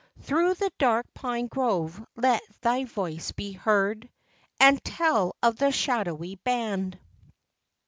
Through the dark pine grove let thy voice be heard, And tell of the shadowy band